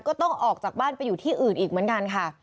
ก็ต้องออกจากบ้านไปอยู่ที่อื่นอีกเหมือนกันค่ะ